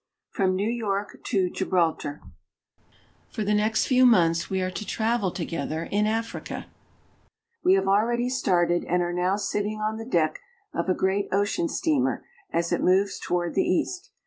FROM NEW YORK TO GIBRALTAR FOR the next few months we are to travel tofjethi Africa. We have already started and are now on the deck of a great ocean steamer as i' the east.